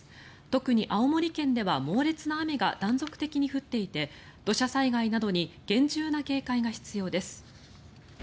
特に青森県では猛烈な雨が断続的に降っていて土砂災害などに厳重な警戒が必要です。